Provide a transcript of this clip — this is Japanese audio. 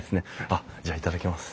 あっじゃあ頂きます。